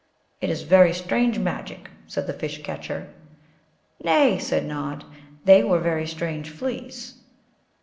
"It is very strange magic," said the Fish catcher. "Nay," said Nod; "they were very strange fleas."